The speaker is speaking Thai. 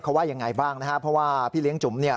เขาว่ายังไงบ้างนะฮะเพราะว่าพี่เลี้ยงจุ๋มเนี่ย